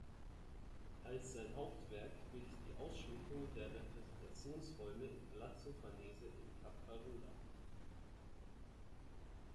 Als sein Hauptwerk gilt die Ausschmückung der Repräsentationsräume im Palazzo Farnese in Caprarola.